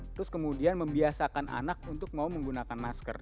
terus kemudian membiasakan anak untuk mau menggunakan masker